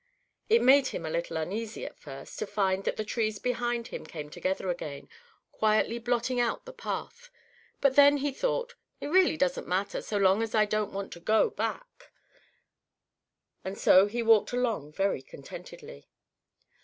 It made him a little uneasy, at first, to find that the trees behind him came together again, quietly blotting out the path; but then he thought, "It really doesn't matter, so long as I don't want to go back;" and so he walked along very contentedly.